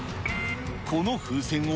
この風船を、